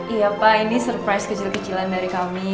iya pak ini surprise kecil kecilan dari kami